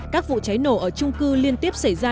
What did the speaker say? các vụ cháy nổ ở trung cư liên tiếp xảy ra